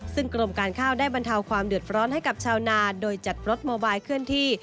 ซึ่งกรมการข้าวได้บรรเทาความเดือดร้อนให้กับชาวนาโดยจัดรถโมบายเคลื่อนที่